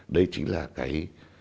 đây chính là cái